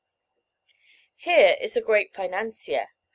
Here is a great financier.